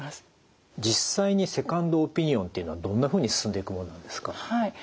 実際にセカンドオピニオンというのはどんなふうに進んでいくもんなんですか？